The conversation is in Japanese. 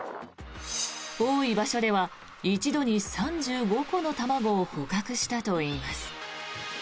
多い場所では一度に３５個の卵を捕獲したといいます。